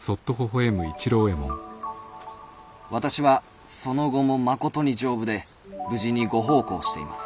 「私はその後もまことに丈夫で無事にご奉公しています」。